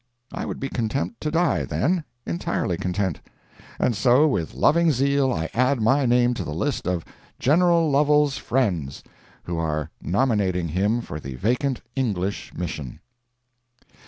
I would be content to die then—entirely content. And so with loving zeal I add my name to the list of "General Lovel's friends" who are "nominating him for the vacant English mission."